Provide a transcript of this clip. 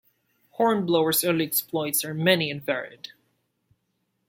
Hornblower's early exploits are many and varied.